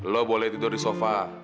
lo boleh tidur di sofa